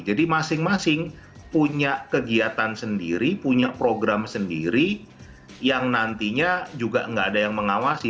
jadi masing masing punya kegiatan sendiri punya program sendiri yang nantinya juga nggak ada yang mengawasi